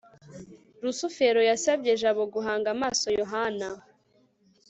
rusufero yasabye jabo guhanga amaso yohana